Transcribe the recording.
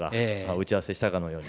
打ち合わせしたかのように。